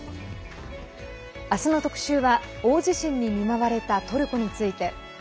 明日の特集は大地震に見舞われたトルコについて。